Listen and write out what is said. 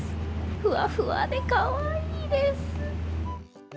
ふわふわでかわいいです。